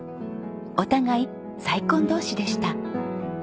お互い再婚同士でした。